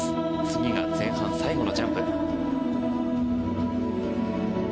次が前半最後のジャンプ。